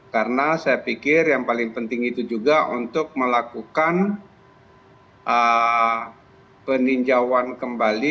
karena saya pikir yang paling penting itu juga untuk melakukan peninjauan kembali